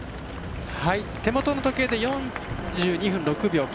手元の時計で４分２６秒。